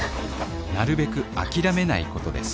なるべく諦めないことです